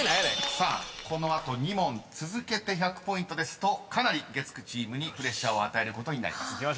［さあこの後２問続けて１００ポイントですとかなり月９チームにプレッシャーを与えることになります］